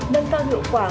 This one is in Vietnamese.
nâng cao hiệu quả